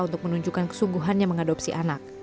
untuk menunjukkan kesungguhannya mengadopsi anak